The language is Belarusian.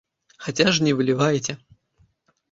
Хаця ж не вылівайце!